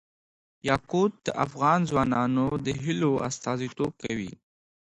یاقوت د افغان ځوانانو د هیلو استازیتوب کوي.